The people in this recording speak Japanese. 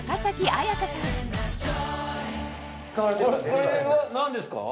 これは何ですか？